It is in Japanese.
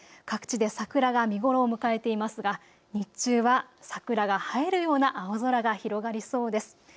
各地で桜が見頃を迎えていますが日中は桜が映えるような青空が広がりそうです。